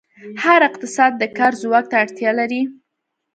هر اقتصاد د کار ځواک ته اړتیا لري.